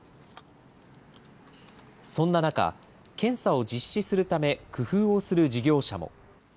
そんな中、検査を実施するため、工夫をする事業者も。